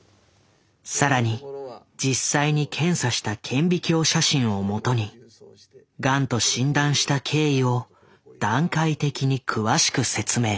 更に実際に検査した顕微鏡写真をもとにガンと診断した経緯を段階的に詳しく説明。